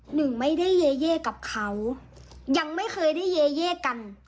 หนึ่งไม่ได้เยเย่กับเขายังไม่เคยได้เยเย่กัน